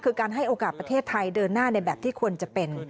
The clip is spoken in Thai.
คือการให้โอกาสประเทศไทยเดินหน้าในแบบที่ควรจะเป็น